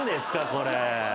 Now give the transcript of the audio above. これ。